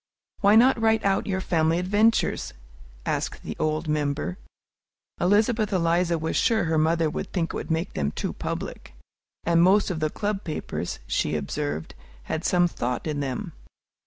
"Why not write out your family adventures?" asked the old member. Elizabeth Eliza was sure her mother would think it made them too public; and most of the Club papers, she observed, had some thought in them.